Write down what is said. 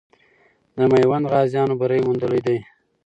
د میوند غازیانو بری موندلی دی.